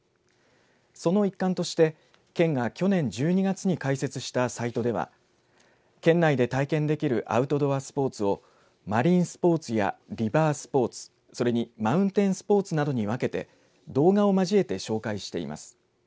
その一環として県が去年１２月に開設したサイトでは県内で体験できるアウトドアスポーツをマリンスポーツやリバースポーツそれにマウンテンスポーツなどに分けて動画を交えて紹介しています。